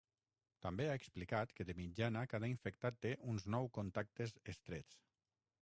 També ha explicat que de mitjana cada infectat té uns nou contactes estrets.